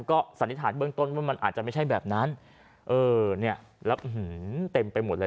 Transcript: ก็สันนิษฐานเบื้องต้นว่ามันอาจจะไม่ใช่แบบนั้นเออเนี่ยแล้วเต็มไปหมดเลย